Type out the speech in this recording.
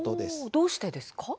どうしてですか？